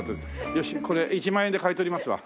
よしこれ１万円で買い取りますわ。